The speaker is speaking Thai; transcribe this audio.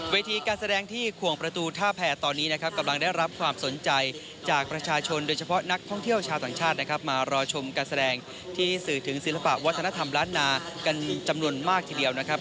ทีการแสดงที่ขวงประตูท่าแผ่ตอนนี้นะครับกำลังได้รับความสนใจจากประชาชนโดยเฉพาะนักท่องเที่ยวชาวต่างชาตินะครับมารอชมการแสดงที่สื่อถึงศิลปะวัฒนธรรมล้านนากันจำนวนมากทีเดียวนะครับ